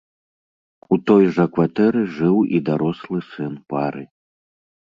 У той жа кватэры жыў і дарослы сын пары.